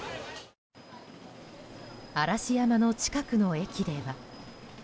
嵐山の近くの駅では。